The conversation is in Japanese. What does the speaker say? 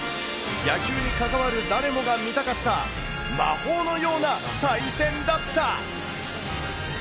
野球に関わる誰もが見たかった魔法のような対戦だった。